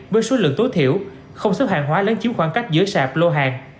với số lượng tối thiểu không xếp hàng hóa lấn chiếm khoảng cách giữa sạp lô hàng